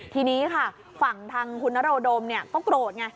ทีนี้ค่ะฝั่งทางคุณนโรดมก็โกรธไง